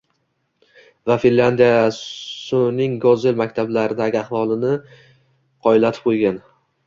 Va Finlyandiya Suning Gozel maktaʙlaridagi ahvolni qojillatiʙ qўjgan